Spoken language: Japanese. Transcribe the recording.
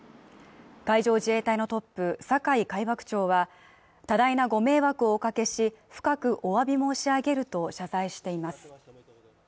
海上自衛隊のトップ酒井海幕長は多大なご迷惑をおかけし深くお詫び申し上げると謝罪しています。